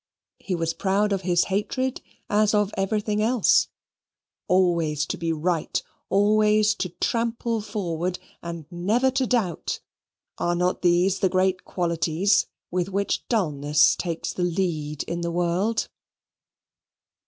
He was proud of his hatred as of everything else. Always to be right, always to trample forward, and never to doubt, are not these the great qualities with which dullness takes the lead in the world?